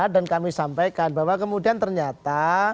dan kami sampaikan bahwa kemudian ternyata